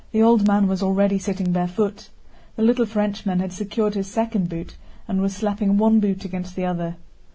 The old man was already sitting barefoot. The little Frenchman had secured his second boot and was slapping one boot against the other.